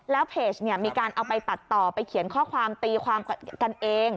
แล้วเพจเนี่ยมีการเอาไปตัดต่อไปเขียนข้อความตีความกันเอง